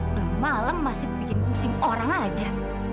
udah malam masih bikin pusing orang aja